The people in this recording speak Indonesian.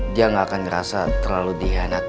dia gak akan ngerasa terlalu dihianati